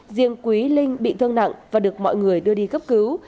riêng quý linh bị thương nặng và được mọi người đưa đi cấp cứu